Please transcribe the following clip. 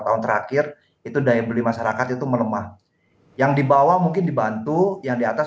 tahun terakhir itu daya beli masyarakat itu melemah yang dibawa mungkin dibantu yang di atas